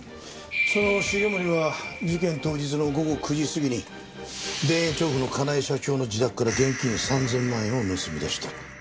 その重森は事件当日の午後９時過ぎに田園調布の香奈恵社長の自宅から現金３０００万円を盗み出した。